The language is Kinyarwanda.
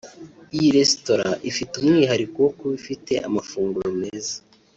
Iyi resitora ifite umwihariko wo kuba ifite amafunguro meza